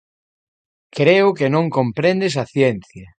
Creo que non comprendes a ciencia.